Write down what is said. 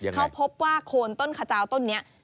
เขาพบว่าโคนต้นขจาวต้นนี้